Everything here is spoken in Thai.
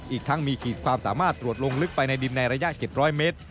อีกทั้งมีขีดความสามารถตรวจลงลึกไปในดินในระยะ๗๐๐เมตร